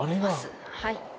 はい。